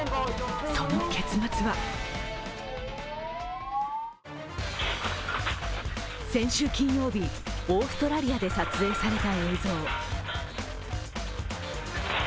その結末は先週金曜日、オーストラリアで撮影された映像。